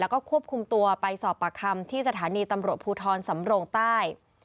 แล้วก็ควบคุมตัวไปสอบปากคำที่สถานีตำรวจภูทรสำโรงใต้